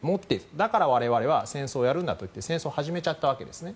だから我々は戦争をやるんだといって戦争を始めちゃったわけですね。